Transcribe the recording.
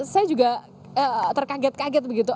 saya juga terkaget kaget begitu